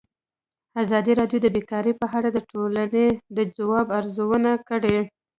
ازادي راډیو د بیکاري په اړه د ټولنې د ځواب ارزونه کړې.